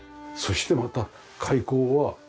そしてまた開口は。